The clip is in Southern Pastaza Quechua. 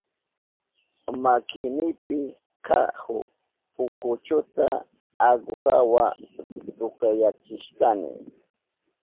Makinipi kahuk pukuchuta aguhawa tukyachishkani.